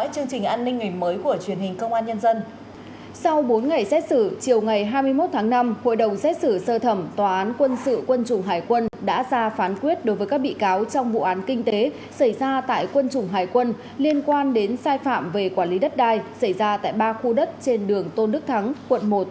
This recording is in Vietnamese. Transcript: các bạn hãy đăng ký kênh để ủng hộ kênh của chúng mình nhé